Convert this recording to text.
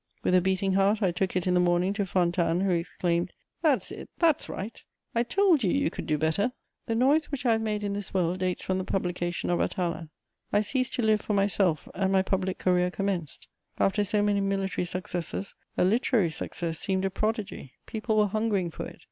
With a beating heart, I took it in the morning to Fontanes, who exclaimed: "That's it, that's right! I told you you could do better!" The noise which I have made in this world dates from the publication of Atala. I ceased to live for myself and my public career commenced. After so many military successes, a literary success seemed a prodigy: people were hungering for it.